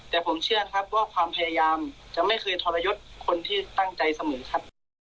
แต่ผมเชื่อครับว่าความพยายามจะไม่เคยทรยศคนที่ตั้งใจเสมอครับ